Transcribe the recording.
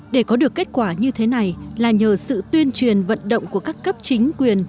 để có được kết quả như thế này là nhờ sự tuyên truyền vận động của các cấp chính quyền